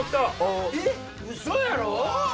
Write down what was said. えっウソやろ⁉